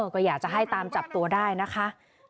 ก็อยากจะให้ตามจับตัวได้นะคะ